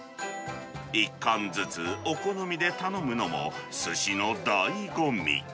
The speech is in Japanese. １貫ずつお好みで頼むのも、すしのだいご味。